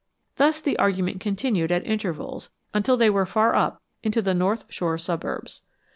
Thus the argument continued at intervals until they were far up into the North Shore suburbs.